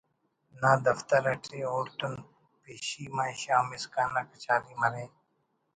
نا دفتر اٹی اوڑتون پیشیم آن شام اسکان نا کچاری مرے